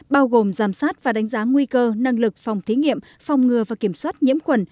bao gồm giám sát và đánh giá nguy cơ năng lực phòng thí nghiệm phòng ngừa và kiểm soát nhiễm khuẩn